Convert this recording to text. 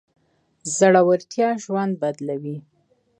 زړورتيا ژوند بدلوي.